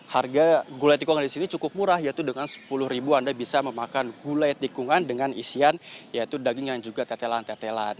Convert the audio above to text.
harga gulai tikungan di sini cukup murah yaitu dengan sepuluh anda bisa memakan gulai tikungan dengan isian yaitu daging yang juga tetelan tetelan